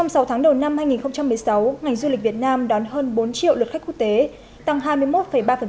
trong sáu tháng đầu năm hai nghìn một mươi sáu ngành du lịch việt nam đón hơn bốn triệu lượt khách quốc tế tăng hai mươi một ba so với cùng kỳ năm hai nghìn một mươi năm